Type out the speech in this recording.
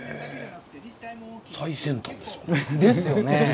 最先端ですよ。ですよね。